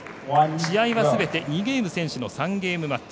試合はすべて２ゲーム選手の３ゲームマッチ。